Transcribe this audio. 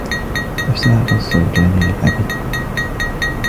افترق الزوجان للأبد.